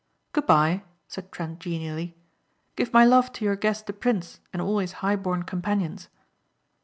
"Good by," said Trent genially, "Give my love to your guest the prince and all his high born companions."